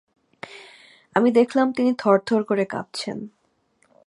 আমি দেখলাম তিনি থরথর করে কাঁপছেন।